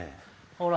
ほら。